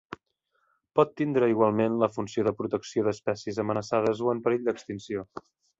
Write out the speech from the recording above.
Pot tindre igualment la funció de protecció d'espècies amenaçades o en perill d'extinció.